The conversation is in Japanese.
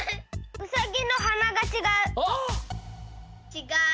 ウサギのくちがちがう。